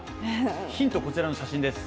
ヒントはこちらの写真です。